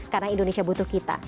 karena indonesia butuh kita